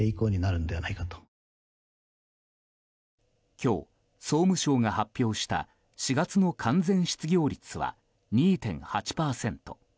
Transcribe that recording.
今日、総務省が発表した４月の完全失業率は２．８％。